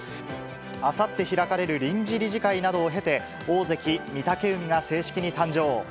あさって開かれる臨時理事会などを経て、大関・御嶽海が正式に誕生。